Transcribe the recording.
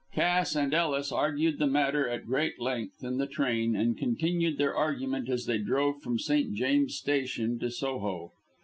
Cass and Ellis argued the matter at great length in the train, and continued their argument as they drove from St. James's Station to Soho.